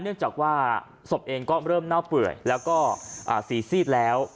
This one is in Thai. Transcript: เนื่องจากว่าศพเองก็เริ่มเน่าเปื่อยแล้วก็สีซีดแล้ว